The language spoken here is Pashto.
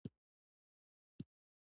ډاکټران کولی شي ژر پریکړه وکړي.